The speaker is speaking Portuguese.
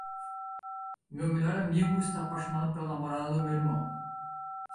Meu melhor amigo está apaixonado pela namorada do meu irmão.